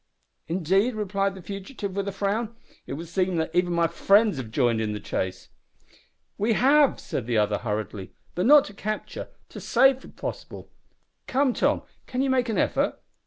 "Indeed?" replied the fugitive, with a frown. "It would seem that even my friends have joined in the chase." "We have," said the other, hurriedly, "but not to capture to save, if possible. Come, Tom, can you make an effort?